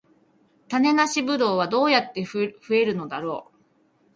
種なしブドウはどうやって増えるのだろう